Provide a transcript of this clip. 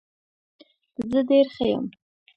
زه ډیر ښه یم.